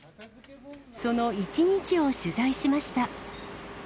その一日を取材しました。